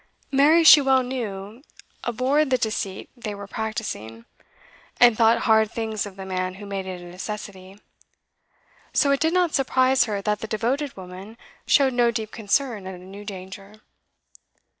Mary, she well knew, abhorred the deceit they were practising, and thought hard things of the man who made it a necessity; so it did not surprise her that the devoted woman showed no deep concern at a new danger.